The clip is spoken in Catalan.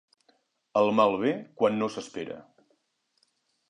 El mal ve quan no s'espera.